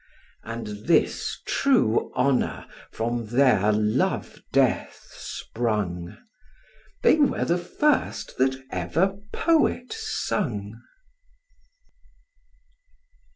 And this true honour from their love death sprung, They were the first that ever poet sung.